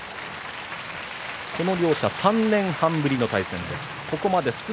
この両者は３年半ぶりの対戦となります。